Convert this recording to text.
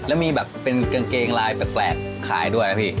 แล้วมีแบบเป็นกางเกงลายแปลกขายด้วยนะพี่